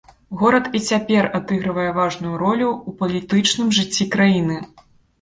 Горад і цяпер адыгрывае важную ролю ў палітычным жыцці краіны.